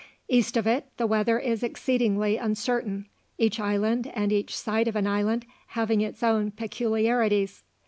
East of it the weather is exceedingly uncertain, each island, and each side of an island, having its own peculiarities.